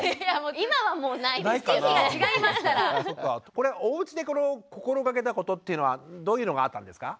これおうちで心がけたことっていうのはどういうのがあったんですか？